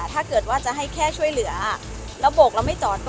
สวัสดีครับที่ได้รับความรักของคุณ